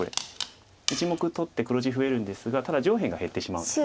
１目取って黒地増えるんですがただ上辺が減ってしまうんです。